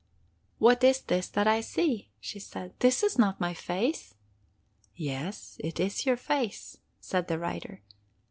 'What is this that I see?' she said. 'This is not my face!' 'Yes, it is your face,' said the rider.